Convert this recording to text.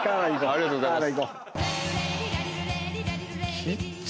ありがとうございます。